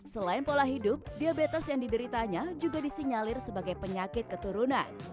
selain pola hidup diabetes yang dideritanya juga disinyalir sebagai penyakit keturunan